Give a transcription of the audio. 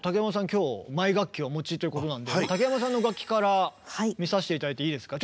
今日マイ楽器をお持ちということなんで竹山さんの楽器から見させて頂いていいですか？